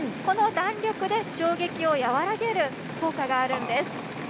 この弾力で衝撃を和らげる効果があるんです。